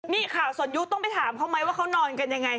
นี่ข่าวสนยุคต้องไปถามเขาไหมว่าเขานอนกันยังไง